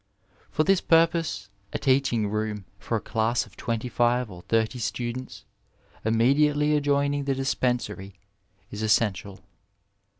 For this purpose a teaching*room for a class of twenty five ot thirty students immediately adjoining the dispensary is essential.